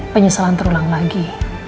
penyesalan terulang lagi